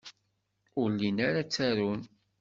Ur llin ara ttarun.